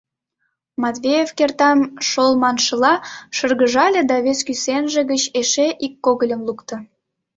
Матвеев кертам шол маншыла шыргыжале да вес кӱсенже гыч эше ик когыльым лукто.